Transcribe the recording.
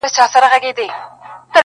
• نو په سندرو کي به تا وينمه.